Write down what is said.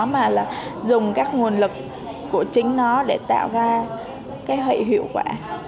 mà là dùng các nguồn lực của chính nó để tạo ra cái hệ hiệu quả